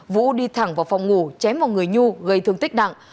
vũ đi thẳng vào phòng ngủ chém vào người nhu gây thương tích nặng